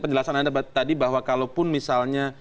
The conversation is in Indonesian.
penjelasan anda tadi bahwa kalau pun misalnya